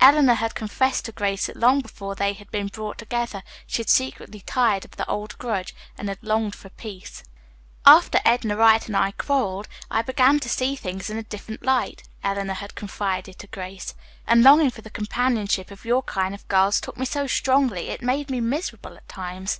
Eleanor had confessed to Grace that long before they had been brought together she had secretly tired of the old grudge and had longed for peace. "After Edna Wright and I quarreled, I began to see things in a different light," Eleanor had confided to Grace, "and the longing for the companionship of your kind of girls took hold of me so strongly it made me miserable at times.